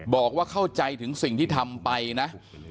บอกว่าเข้าใจถึงสิ่งที่ทำไปนะ